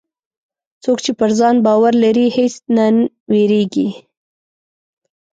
څوک چې پر ځان باور لري، هېڅ نه وېرېږي.